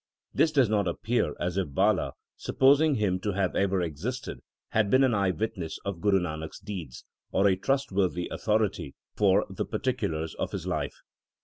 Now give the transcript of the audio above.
This does not appear as if Bala, supposing him to have ever existed, had been an eye witness of Guru Nanak s deeds, or a trustworthy authority for the particulars of his life.